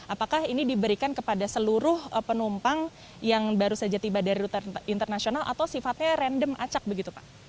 apakah ini diberikan kepada seluruh penumpang yang baru saja tiba dari rute internasional atau sifatnya random acak begitu pak